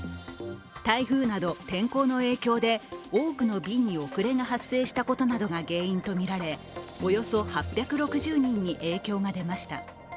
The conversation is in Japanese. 台風など、天候の影響で多くの便に遅れが発生したことなどが原因とみられ、およそ８６０人に影響が出ました。